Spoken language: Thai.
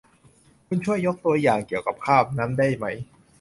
คุณช่วยยกตัวอย่างเกี่ยวกับคาบนั้นได้ไหม